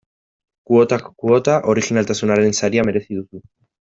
Kuotak kuota, orijinaltasunaren saria merezi duzu.